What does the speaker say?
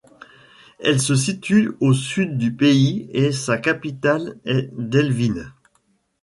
Elle se situe au sud du pays et sa capitale est Delvinë.